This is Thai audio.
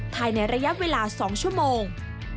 ภายในระยะเวลา๒ชั่วโมง